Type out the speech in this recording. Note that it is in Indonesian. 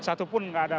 satupun nggak ada